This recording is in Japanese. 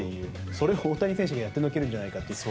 それを大谷選手がやってのけるんじゃないかという。